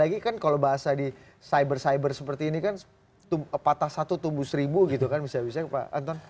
lagi kan kalau bahasa di cyber cyber seperti ini kan patah satu tumbuh seribu gitu kan bisa bisa pak anton